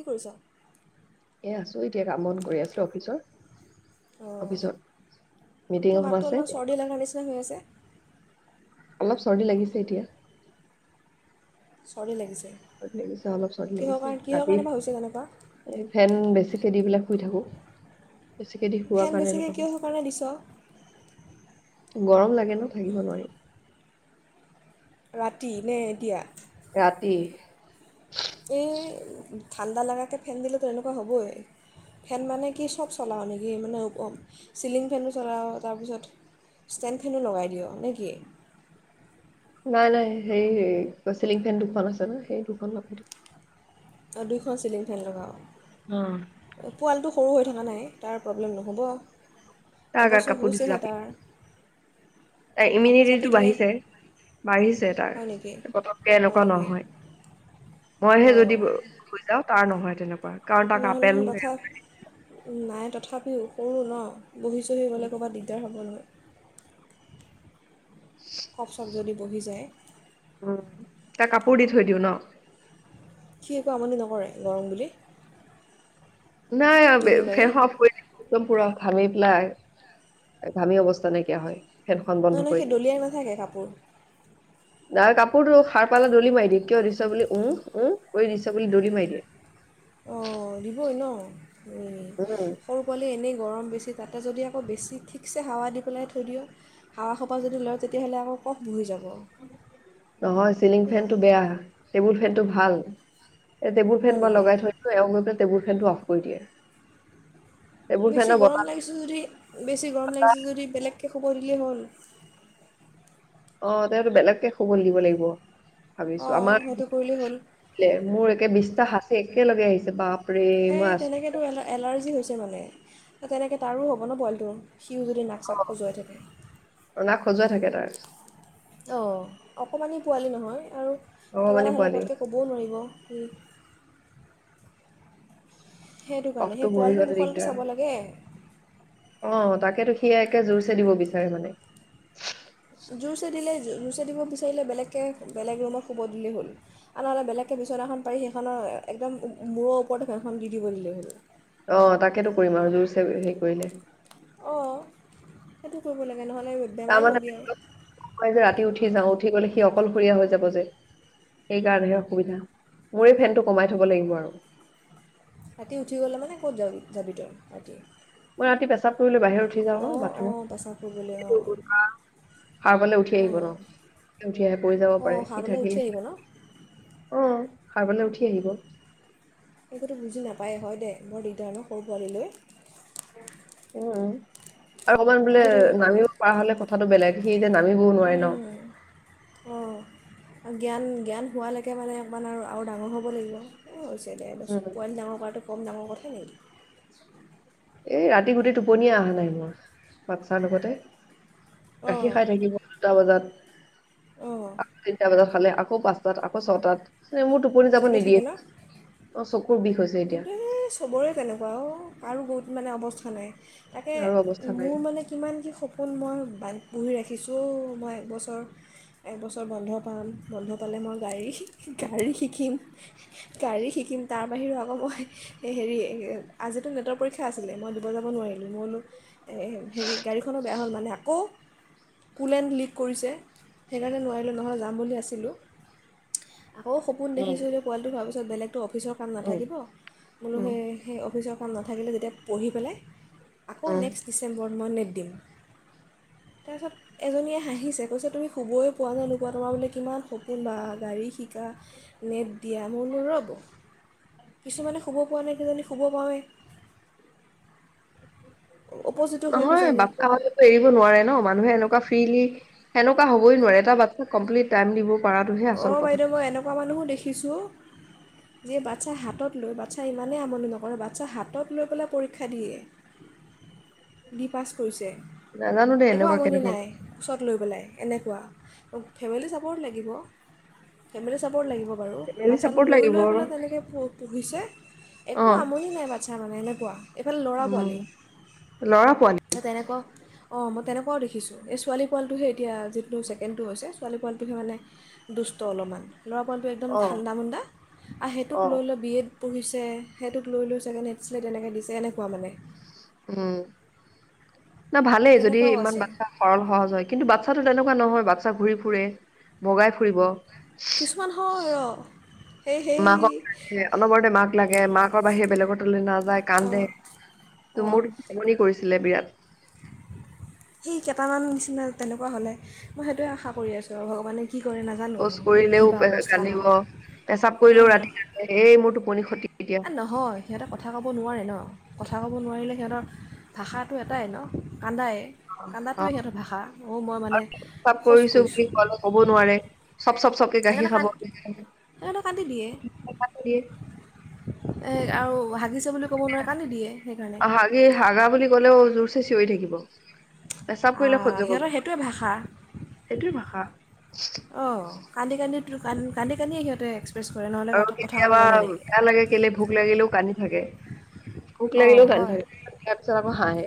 অ কৰিছা। এ আছো এতিয়া কাম বন কৰি আছিলো অফিচৰ। অ, অফিচত মিটিং এইটো এখন মাতটো আছে। অলপমান চৰ্দি লগাৰ নিচিনা হৈ আছে। অলপ চৰ্দি লাগিছে এতিয়া। চৰ্দী লাগিছে। অলপ চৰ্দি কিহৰ লাগিছে, কাৰণে কিহৰ ৰাতি কাৰণে বা হৈছে তেনেকুৱা এই ফেন বেছি। শুই থাকোঁ। বেছিকে দি শুৱা ফেন কাৰণে বেছিকৈ এনেকুৱা কিহৰ কাৰণে দিছ হৈছে। গৰম লাগে ন থাকিব নোৱাৰি। ৰাতি নে এতিয়া? ৰাতি। এ, ঠাণ্ডা লগাকে ফেন দিলোঁ তেনেকুৱা হ'বই, ফেন মানে কি চব চলাৱ নেকি? মানে চিলিং ফেনো চলাৱ, তাৰপিছত ষ্টেণ্ড ফেনো লগাই দিয় নে কি? নাই নাই হেৰি চিলিং ফেন দুখন আছে ন, সেই দুখন লগাই দিওঁ। অ দুইখন চিলিং ফেন লগাৱ? অ'। পোৱালিটো সৰু হৈ থকা নাই, তাৰ প্ৰব্লেম নহ'ব? গাত এবছৰ কাপোৰ দি হৈছেহে জাপি, তাৰ। তাৰ কাপোৰ জাপি ইমিউনিটিটো দিলে বাঢ়িছে, বাঢ়িছে তাৰ হয় নেকি পতককে হয় এনেকুৱা নেকি নহয়। মই হে যদি শুই যাওঁ তা আ নহয় তেনেকুৱা। কাৰণ তাক আপেল নহয়-নহয় তথা নাই তথাপিও কো ন বহি চলিবলৈ ক'ৰবাত দিগদাৰ হ'ব নহয়। কফ চফ যদি বহি যায়। উম! তাক কাপোৰ দি থৈ দিওঁ ন। সি একো আমনি নকৰে গৰম বুলি? নাই দলি মাৰি ফেন অফ কৰি দিছোঁ একদম পুৰা। ঘামি পেলাই, ঘামি অৱস্থা নাইকিয়া হয় ফেনখন বন্ধ নহয়-নহয় কৰি সি দলিয়াই নাথাকে কাপোৰ? তাৰ কাপোৰটো সাৰ পালে দলি মাৰি দিয়ে, কিয় দিছ বুলি? উম-উম কৰি দিছ বুলি দলি মাৰি দিয়ে। অঁ! দিবই ন। উম, সৰু পোৱালি এনেই গৰম বেছি তাতে যদি আকৌ বেছি ঠিকছে হাৱা দি পেলাই থৈ দিয়, হাৱা সোপা যদি লয় তেতিয়াহলে আকৌ কফ বহি যাব। নহয় চিলিং ফেনটো বেয়া, সেইবোৰ ফেনটো ভাল। এ টেবুল হয় ফেন মই নেকি লগাই থৈ দিওঁ, এওঁ গৈ পেলাই টেবুল ফেনটো অফ কৰি দিয়ে। টেবুল বেছি ফেনৰ বতাহ গৰম লাগিছে যদি, বেছি গৰম লাগিছে যদি বেলেগকে শুৱ দিলেই হ'ল। অ তেওঁটো বেলেগকে শুবলে দিব লাগিব। ভাবিছো অঁ আমাৰ, সেইটো কৰিলেই হ'ল মোৰ একে বিশ্বাস আছে একেলগে আহিছে বাপ সেই তেনেকেতো এলা এলাৰ্জি হৈছে মানে। তেনেকে তাৰো হ'ব ন পোৱালিটো। সিও যদি নাক চাক খজুৱাই থাকে। অনা খজুৱাই থাকে তাৰ অঁ, অকণমানি পোৱালি নহয় আৰু কিবা ভগৱানী এটা হলে পোৱালি পতকে ক'বও নোৱাৰিব। উম। সেইটো কাৰণে, কফটো সেই বহি পোৱালিটো গ'লে মোখলেটো দিগদাৰ চাব লাগে। অ তাকেতো সি একে জোৰ চে দিব বিচাৰে মানে। জুৰচে দিলে, জুৰচে দিব বিচাৰিলে বেলেগকৈ বেলেগ ৰুমত শুব দিলেই হ'ল আৰু নহ'লে বেলেগকৈ বিচনাখন পাৰি সেইখনৰ একদম মূৰৰ ওপৰতে ফেনখন দি দিব দিলেই হ'ল। অ তাকেতো কৰিম আৰু জোৰচে হেৰি কৰিলে। অঁ, সেইটো কৰিব লাগ তাৰমানা নেই যে ৰাতি উঠি যাওঁ উঠি গলে সি অকলশৰীয়া হৈ যাব যে, সেইকাৰণেহে অসুবিধা। মোৰে ফেনটো কমাই থব লাগিব আৰু। ৰাতি উঠি গলে মানে ক'ত যাবি যাবি তই ৰাতি? মই ৰাতি পেচাব কৰিবলে বাহিৰত উঠি যাওঁ ক অঁ অঁ বাথৰুম, পেচাব কৰিবলৈ অঁ সাৰ পালে উঠি আহিব অঁ ন, তাৰমানে উঠি আহি পৰি যাব অঁ পাৰে সি সাৰপালে উঠি থাকিলে আহিব ন অ। সাৰ পালে উঠি আহিব। একোতো বুজি নাপায় হয় দেই বৰ দিগদাৰ ন সৰু পোৱালিলৈ। উম। আৰু অকণমান বোলে একোতো নামিব পৰা হলে কথাতো বেলেগ। সি যে নামিবও নোৱাৰে ন। উম, অঁ জ্ঞান জ্ঞান হোৱালৈকে মানে অকণমান আৰু ডাঙৰ হ'ব লাগিব, স দেদাই কৈছোঁ, উম পোৱালি ডাঙৰ কৰাটো কম ডাঙৰ কথা- নেকি? এই ৰাতি গোটেই টোপনিয়ে অহা নাই মোৰ বাচ্ছাৰ লগতে। অঁ গাখীৰ খাই থাকিব দুটা বজাত। অঁ [inaudible] আকৌ তিনটা বজাত খালে আকৌ পাঁচটাত আকৌ ছটাত ন মোৰ টোপনি যাব তেনেকৈ নিদিয়ে, থাকে ন অ চকুৰ বিষ হৈছে এতিয়া চবৰে কেনেকুৱা অ, কাৰো বহুত মানে অৱ স্থা নাই তাকে, আৰু অৱস্থা নাই মোৰ মানে কিমান কি সপোন মই বাদ বুহি ৰাখিছোঁ মই একবছৰ, একবছৰ বন্ধ পাম, বন্ধ পালে মই গাড়ী গাড়ী শিকিম। গাড়ী শিকিম তাৰ বাহিৰৰ মই হেৰি আজিতো নেটৰ পৰীক্ষা আছিলে, মই দুবাৰ যাব নোৱাৰিলো, মই বোলো হেৰি গাড়ীখনো বেয়া হ'ল মানে আকৌ কুল এণ্ড লিক কৰিছে, সেইকাৰণে নোৱাৰিলোঁ নহয় যাম বুলি আছিলোঁ। আকৌ সপোন উম দেখিচিলো যে পোৱালিটোৰ তাৰপিছত বেলেগটো অফিচৰ কাম নাথ উম থাকিব, বোলো উম সেই সেই অফিচৰ কাম নাথাকিলে যেতিয়া পঢ়ি পেলাই আকৌ উম নেক্স ডিচেম্বৰ মই নেট দিম, তাৰপিছত এজনীয়ে হাঁহিছে কৈছে তুমি শুবই পোৱা নাই নোপোৱা তোমাৰ বুলে কিমান সপোন বা গাড়ী শ কা, নেট দিয়া, মই বুলো ৰ'ব কিছুমানে শুব পোৱা নাই কিজনী শুব পাওঁৱেই অপজিতো হয় নহয় কিজানি বাচ্ছা হলেতো এৰিব নোৱাৰে ন মানুহে এনেকুৱা ফ্ৰিলি সেনেকোৱা হবই নোৱাৰে, এটা বাচ্ছা কম্প্লিত টাইম দিব পৰাটোহে অ আচল কথা বাইদেউ মই এনেকুৱা মানুহো দেখিছোঁ যিয়ে বাচ্ছা হাতত লৈ, বাচ্ছাই ইমানেই আমনি নকৰে, বাচ্ছা হাতত লৈ পেলাই পৰীক্ষা দিয়ে। দি পাছ কৰিছে, নাজানো দেই একো এনেকুৱা আমনি কেনেকুৱা নাই ওচৰত লৈ পেলাই, এনেকুৱা ফেমিলি চাপৰ্ট লাগিব। ফেমিলি চাপৰ্ট লাগিব। বাৰু, ফেমিলি বাচ্ছাটো চাপৰ্ট লৈ লাগিব লৈ আৰু পেলাই তেনেকে প পঢ়িছে, অ একো আমনি নাই বাচ চ্ছা মানে এনেকুৱা এইফালে ল'ৰা পোৱালি উম, লৰা পোৱালি। অ মই তেনেকোৱাও দেখিছোঁ, এই ছোৱালী পোৱালটোহে এতিয়া যিটো ছেকেণ্ডটো হৈছে ছোৱালী পোৱালিটোহে মানে দুষ্ট অলপমান। ল'ৰা পোৱালিটো একদম অ ঠাণ্ডা মাণ্ডা, আৰু সেইটোক অ লৈ লৈ বি এড পঢ়িছে, সেইটোক লৈ লৈ চাগে নেটচলে তেনেকৈ দিছে এনেকুৱা মানে। উম। না ভালেই যদি তেনেকুৱাও ইমান আছে বাচ্ছা সৰল সহজ হয় কিন্তু বাচ্ছা বাচ্চাটো তেনেকুৱা নহয় বাচ্ছা ঘূৰি ফুৰে, বগাই ফুৰিব কিছুমান হয় ৰ মাকক অনবৰতে মাক লাগে মাক মাকৰ বাহিৰে বেলেগত নাযায় কান্দে, অঁ ত অঁ মোৰ আমনি কৰিছে। ছিলে বিৰাট। সেই কেইটামান নিচিনা তেনেকুৱা হলে, মই সেইটোৱে আশা কৰি আছোঁ আৰু ভগৱানে কি কৰে নাজানো শৌচ কৰিলেও কিবা অৱস্থা কান্দিব, হয় পেচাব কৰিলেও ৰাতি কান্দে, এই মোৰ টোপনি খতি এতিয়া এ নহয়, সিহঁতে কথা ক'ব নোৱাৰে ন। কথা ক'ব নোৱাৰিলে সিহঁতৰ, ভাষাটো এটাই ন কান্দাই। অ কান্দাটোৱে সিহঁতৰ ভাষা, অ মই মানে পেচাব শৌচ কৰিছোঁ। চব চব চবকে গাখীৰ সেইকাৰণে কান খাব। সেইকাৰণে কান্দি দিয়ে এ আৰু হাগিছে বুলি ক'ব নোৱাৰে কান্দি দিয়ে সেইকাৰণে হাগি হাগা বুলি কলেও জোৰ চে কৈ থাকিব। পেচাপ পৰিলে সহ্য সিহঁতৰ কৰিব, সেইটোৱে ভাষা সেইটোয়ে বা হা। অ, কান্দি কান্দি কান্দি কান্দি সিহঁতে কৰে নহ'লে আৰু কথা কথা ক'ব কেতিয়াবা জানে নেকি বেয়া লাগে কেলে ভোক লাগিলেও কান্দি থাকে। ভোক অঁ লাগিলেও কান্দি হয় থাকে, তাৰ পিছত আকৌ হাঁহে,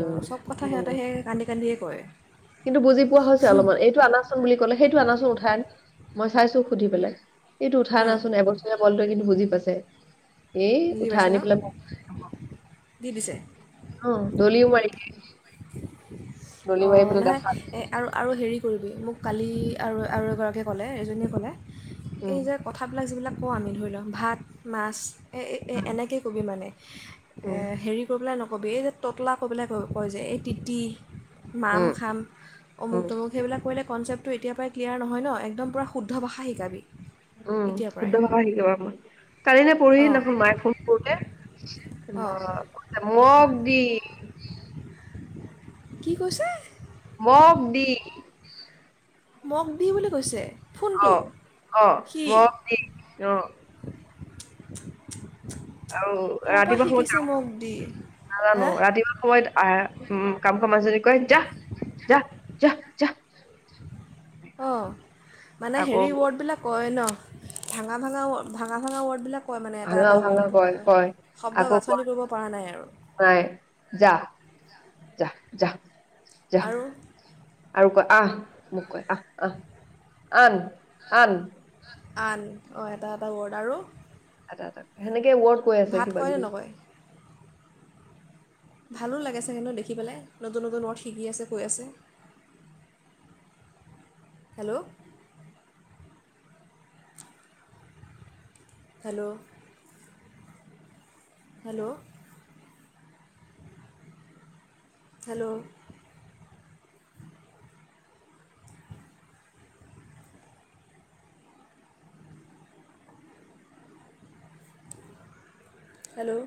অ, চব কথা সিহঁতে সেই কান্দি কান্দিয়ে কয় কিন্তু বুজি পোৱা হৈছে অলপমান এইটো আনাচোন বুলি কলে সেইটো আনাচোন উঠাই মই চাইছো সুধি পেলাই। এইটো উঠাই উম, আনাচোন এবছৰে বলটো কিন্তু বুজি পাইছে।। তে। এ বুজি উঠাই পাইছে ন আনি পেলাই, দি দিছে অ দলিও মাৰি দিয়ে। [unintelligible] অ নহয়, এ আৰু আৰু হেৰি কৰিবি মোক কালি আৰু আৰু এগৰাকীয়ে কলে, এজনীয়ে কলে উম এই যে কথাবিলাক যিবিলাক অ আমি ধৰি লওঁ ভাত, মাছ এ এ এনেকে ক'বি মানে। এ উম হেৰি কৰিবলে কবি এই যে ততলা কবলে কয় যে এই তিতি মাম উম খাম, অমুক উম তমুক সেইবিলাক কৰিলে কনচেপ্ট তো এতিয়া পৰাই ক্লিয়াৰ নহয় ন একদম পূৰা শুদ্ধ ভাষা শিকাবি উম এতিয়াৰ পৰাই শুদ্ধ ভাষা শিকিব মন কালি নে অঁ পৰহিদিনাখন মায়ে ফোন কৰোতে, অঁ ম ক মগ দি কি কৈছে? মক দি মগ দি বুলি কৈছে ফোনটো অহ অহ সি মগ দি অহ। আৰু ক'ৰ পৰা ৰাতিপুৱা সময়ত শিকিছে যাও মগ দি ন নাজানো হা ৰাতিপুৱা সময়ত। অহ উম কাম কাম কৱা মাজতে কয় যা যা যা যা। অ মানে আকৌ হেৰি ৱৰ্ড বিলাক কয় ন। ভাঙা ভাঙা ভাঙা ভাঙা ৱৰ্ডবিলাক। কয় মানে এটা ভালা এটা ভাল ৱৰ্ড কয় কয় শব্দ আকৌ গাঁথনি কয় কৰিব পৰা নাই আৰু নাই যা যা যা। যা আৰু আৰু কয় আহ। মোক কয় আহ আহ আন আন। আন অ এটা এটা অৰ্ডাৰো। এটা সেনেকে। যে ৱৰ্ড কৈ আছে কিবা কয়নে কিবি। নকয় ভালো লাগে চাগে ন দেখি পেলাই নতুন নতুন ৱৰ্ড শিকি আছে কৈ আছে hello. Hello. Hello hello hello